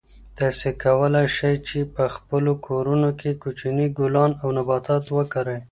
تاسو کولای شئ چې په خپلو کورونو کې کوچني ګلان او نباتات وکرئ.